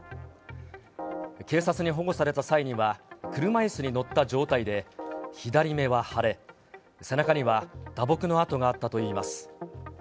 警察に保護された際には、車いすに乗った状態で、左目は腫れ、背中には打撲の痕があったといいます。